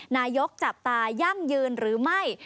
นายกจับตายั่งยืนหรือไม่